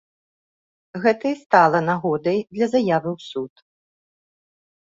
Гэта і стала нагодай для заявы ў суд.